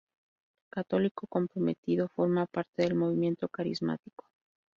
Católico comprometido, forma parte del Movimiento carismático.